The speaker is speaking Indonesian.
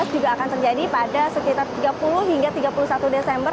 juga akan terjadi pada sekitar tiga puluh hingga tiga puluh satu desember